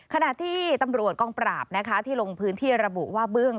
ขณะที่ตำรวจกองปราบนะคะที่ลงพื้นที่ระบุว่าเบื้อง